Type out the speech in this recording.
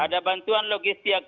ada bantuan logistik